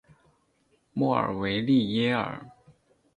莫尔维利耶尔。